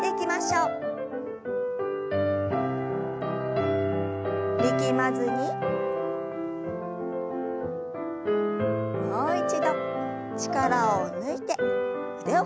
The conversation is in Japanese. もう一度力を抜いて腕を振りましょう。